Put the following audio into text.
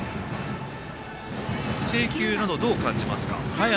制球など、どう感じますか？